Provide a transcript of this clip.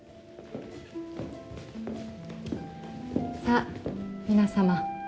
さあ皆様。